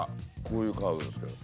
こういうカードですけど。